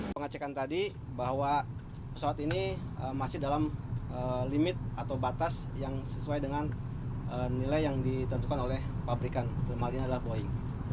pengecekan tadi bahwa pesawat ini masih dalam limit atau batas yang sesuai dengan nilai yang ditentukan oleh pabrikan dalam hal ini adalah boeing